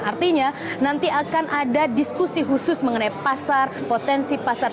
artinya nanti akan ada diskusi khusus mengenai pasar potensi pasar